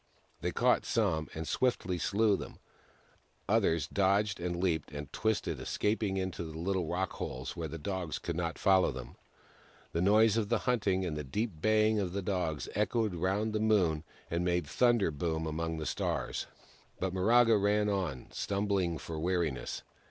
They caught some, and swiftly slew them ; others dodged, and leaped, and twisted, escaping into little rockholes, where the dogs could not follow them. The noise of the hunting and the deep baying of the Dogs echoed round the Moon and made thunder boom among the Stars. But Miraga ran on, stumbling for weariness.